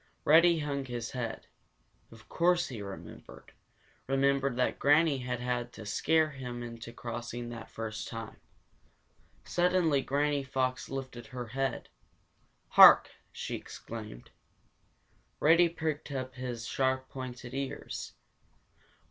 Reddy hung his head. Of course he remembered remembered that Granny had had to scare him into crossing that first time. Suddenly Granny Fox lifted her head. "Hark!" she exclaimed. Reddy pricked up his sharp, pointed ears.